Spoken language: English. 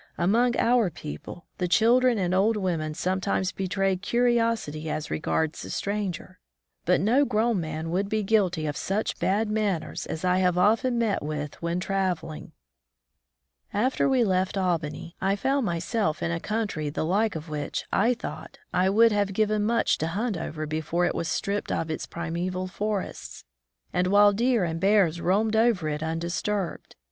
Among our people, the children and old women sometimes betray curiosity as regards a stranger, but no grown man would be guilty of such bad manners as I have often met with when traveling. 63 From the Deep Woods to Civilization After we left Albany, I found myself in a country the like of which, I thought, I would have given much to hunt over before it was stripped of its primeval forests, and while deer and bears roamed over it un disturbed.